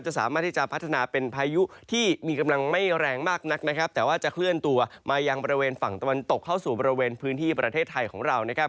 สามารถที่จะพัฒนาเป็นพายุที่มีกำลังไม่แรงมากนักนะครับแต่ว่าจะเคลื่อนตัวมายังบริเวณฝั่งตะวันตกเข้าสู่บริเวณพื้นที่ประเทศไทยของเรานะครับ